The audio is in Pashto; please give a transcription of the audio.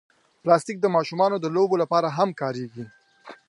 پلاستيک د ماشومانو د لوبو لپاره هم کارېږي.